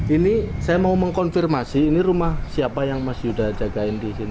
ini saya mau mengkonfirmasi ini rumah siapa yang mas yuda jagain di sini